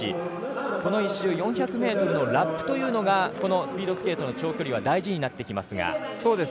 この１周４００ｍのラップというのがこのスピードスケートの長距離は大事になってきますが。